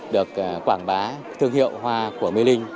được quảng bá thương hiệu hoa của mê linh